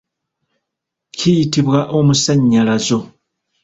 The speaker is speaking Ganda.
Kiyitibwa omusannyalazo.